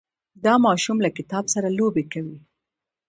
دا ماشوم له کتاب سره لوبې کوي.